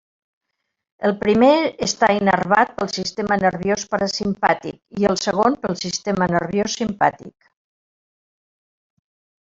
El primer està innervat pel sistema nerviós parasimpàtic i el segon pel sistema nerviós simpàtic.